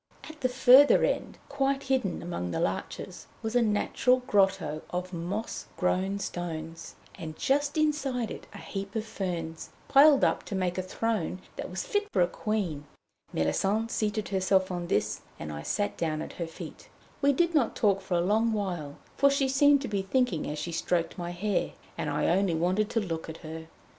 At the further end, quite hidden among the larches, was a natural grotto of moss grown stones, and just inside it a heap of ferns, piled up to make a throne that was fit for a queen. Méllisande seated herself on this, and I sat down at her feet. We did not talk for a long while, for she seemed to be thinking as she stroked my hair, and I only wanted to look at her.